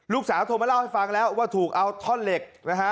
ลูกสาวโทรมาเล่าให้ฟังแล้วว่าถูกเอาท่อนเหล็กนะฮะ